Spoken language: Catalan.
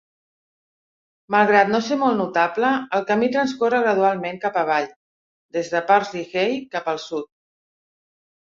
Malgrat no ser molt notable, el camí transcorre gradualment cap avall des de Parsley Hay cap al sud.